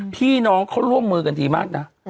พี่น้องเขาร่วมมือกันดีมากนะ